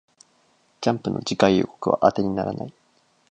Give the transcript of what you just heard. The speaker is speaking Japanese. ジャンプの次号予告は当てにならない